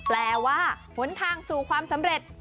แปลว่าหนทางสู่ความสำเร็จ